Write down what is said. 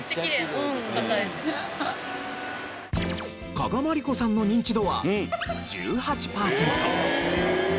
加賀まりこさんのニンチドは１８パーセント。